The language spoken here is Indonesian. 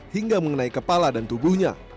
hingga mengenai kepala dan tubuhnya